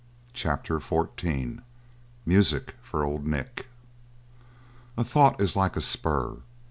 CHAPTER XIV MUSIC FOR OLD NICK A thought is like a spur.